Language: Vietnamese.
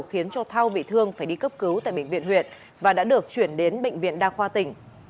khiến cho thao bị thương phải đi cấp cứu tại bệnh viện huyện và đã được chuyển đến bệnh viện đa khoa tỉnh